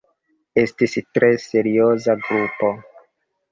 Estis tre serioza grupo.